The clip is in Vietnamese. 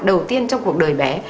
đầu tiên trong cuộc đời bé